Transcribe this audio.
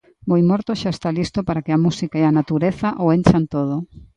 Boimorto xa está listo para que a música e a natureza o enchan todo.